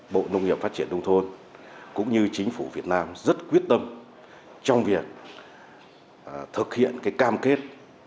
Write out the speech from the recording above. bộ nông nghiệp phát triển đông thôn cũng như chính phủ việt nam rất quyết tâm trong việc thực hiện cam kết